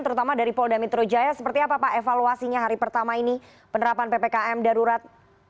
terutama dari polda metro jaya seperti apa pak evaluasinya hari pertama ini penerapan ppkm darurat